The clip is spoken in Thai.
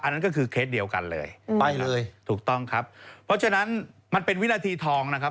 นั่นก็คือเคสเดียวกันเลยไปเลยถูกต้องครับเพราะฉะนั้นมันเป็นวินาทีทองนะครับ